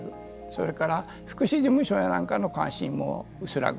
それから福祉事務所やなんかの関心も薄らぐ